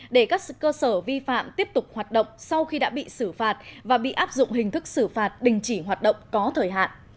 để các cơ sở vi phạm tiếp tục hoạt động sau khi đã bị xử phạt và bị áp dụng hình thức xử phạt đình chỉ hoạt động có thời hạn